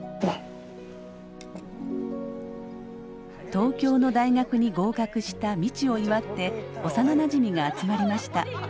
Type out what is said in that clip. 東京の大学に合格した未知を祝って幼なじみが集まりました。